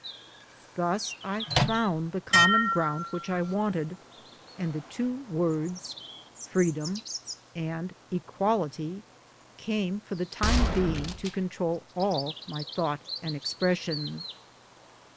Thus I found the common ground which I wanted ; and the two words, Freedom and Equality came for the time being to control all my thought and expression.